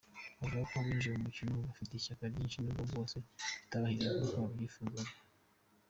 Avuga ko binjiye mu mukino bafite ishyaka ryinshi nubwo bwose bitabahiriye nk’uko babyifuzaga.